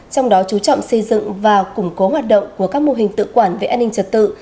trong đó chú trọng xây dựng và củng cố hoạt động của các mô hình tự quản về an ninh trật tự